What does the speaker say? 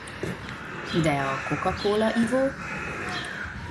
De a Coca-Cola ivó?